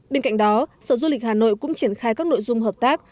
bên cạnh đó sở du lịch hà nội cũng triển khai các nội dung hợp tác